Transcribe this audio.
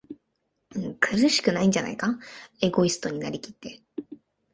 苦しくないんじゃないか？エゴイストになりきって、